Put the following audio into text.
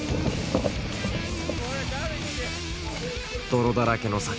泥だらけの坂。